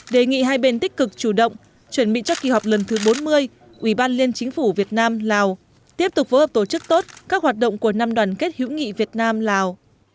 đề nghị hai bên tích cực chủ động chuẩn bị cho kỳ họp lần thứ bốn mươi ủy ban liên chính phủ việt nam lào tiếp tục phối hợp tổ chức tốt các hoạt động của năm đoàn kết hữu nghị việt nam lào